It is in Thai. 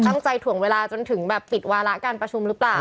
ถ่วงเวลาจนถึงแบบปิดวาระการประชุมหรือเปล่า